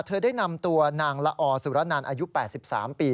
เธอได้นำตัวนางละอสุรนันอายุ๘๓ปี